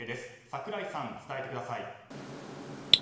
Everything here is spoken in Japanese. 桜井さん、伝えてください。